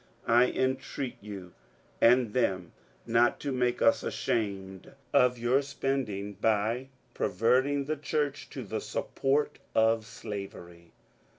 I entreat you and them not to make us ashamed of our spending, by perverting the church to the support of slavery.